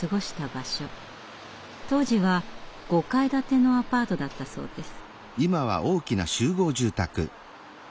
当時は５階建てのアパートだったそうです。